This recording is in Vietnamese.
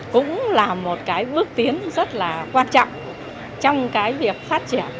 cũng là một cái bước tiến rất là quan trọng trong cái việc phát triển